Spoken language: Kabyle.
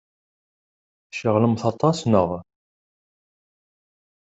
Tceɣlemt aṭas, naɣ?